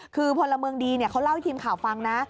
คือพลเมืองดีเขาเล่าให้ทีมข่าวฟังนะ